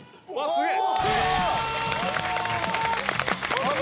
すげえ！